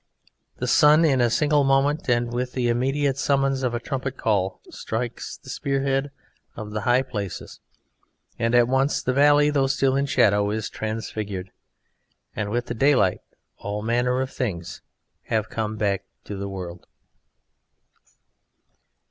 The sun, in a single moment and with the immediate summons of a trumpet call, strikes the spear head of the high places, and at once the valley, though still in shadow, is transfigured, and with the daylight all manner of things have come back to the world.